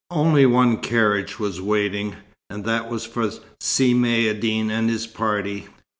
Only one carriage was waiting, and that was for Si Maïeddine and his party.